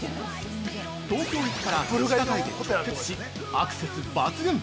東京駅から地下街で直結しアクセス抜群。